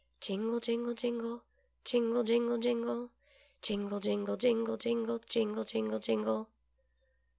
Jingle, jingle, jingle. Jingle, jingle, jingle ; Jingle, jingle, jingle, jifigle, Jmgle, jingle, jingle